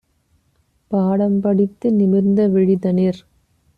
பாடம் படித்து நிமிர்ந்தவிழி - தனிற்